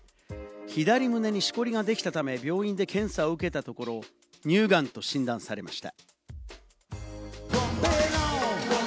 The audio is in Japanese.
左胸にしこりができたため病院で検査を受けたところ、乳がんと診断されました。